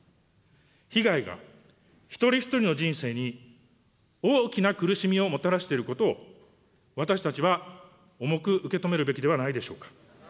被害が一人一人の人生に大きな苦しみをもたらしていることを、私たちは重く受け止めるべきではないでしょうか。